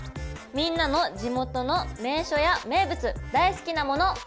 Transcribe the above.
みんなの地元の名所や名物大好きなもの。